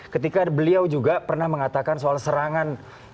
ketika beliau juga pernah mengatakan soal serangan